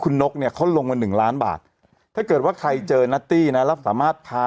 คุณนกเนี่ยเขาลงมาหนึ่งล้านบาทถ้าเกิดว่าใครเจอนัตตี้นะแล้วสามารถพา